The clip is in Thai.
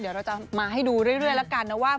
เดี๋ยวเราจะมาให้ดูเรื่อยแล้วกันนะว่า